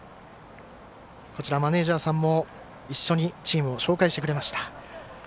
マネージャーさんも一緒にチームを紹介してくれました。